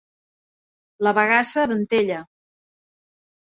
La bagassa d'Antella.